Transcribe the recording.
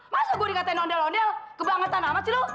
masa gua di ngatain ondel ondel kebangetan amat sih lu